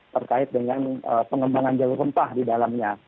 terkait dengan pengembangan jalur rempah di dalamnya